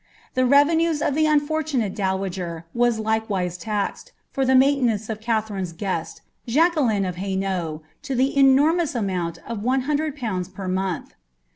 The revenue of the unfortunate dowager was like wise taxed, for the maintenance of Katherine's guest, Jacqueline of Hainauh,* to the enormous amount of a hundred pounds per month.